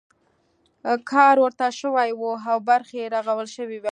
کار ورته شوی وای او برخې رغول شوي وای.